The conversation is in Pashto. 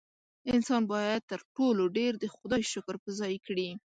انسان باید تر ټولو ډېر د خدای شکر په ځای کړي.